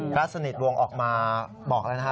พระสนิทวงศ์ออกมาบอกแล้วนะฮะ